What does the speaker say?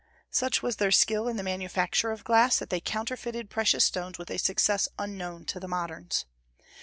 Such was their skill in the manufacture of glass that they counterfeited precious stones with a success unknown to the moderns.